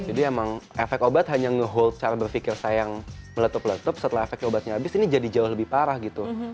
jadi emang efek obat hanya ngehold cara berpikir saya yang meletup letup setelah efek obatnya habis ini jadi jauh lebih parah gitu